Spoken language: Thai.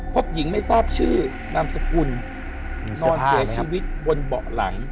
พบหญิงไม่ทราบชื่อนามสกุลนอนเสียชีวิตบนเบาะหลัง